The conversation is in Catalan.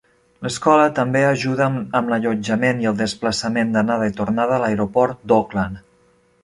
L"escola també ajuda amb l"allotjament i el desplaçament d"anada i tornada a l"Aeroport d"Auckland.